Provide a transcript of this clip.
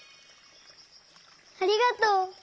ありがとう！